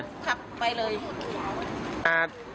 เค้ากลัวไปร่างบ้านคือโนยมันนั้นนะ